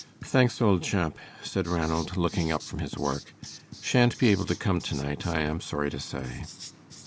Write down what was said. "Thanks, old chap," said Ranald, looking up from his work; "sha'n't be able to come to night, I am sorry to say."